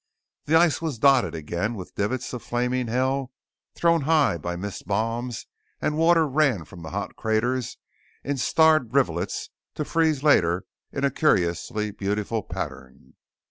The ice was dotted again with divots of flaming hell thrown high by missed bombs and water ran from the hot craters in starred rivulets to freeze later in a curiously beautiful pattern.